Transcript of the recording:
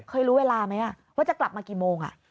เคยรู้เวลาไหมว่าจะกลับมากี่โมง